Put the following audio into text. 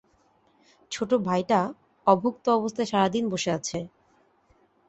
ছোট ভাইটা অভুক্ত অবস্থায় সারা দিন বসে আছে।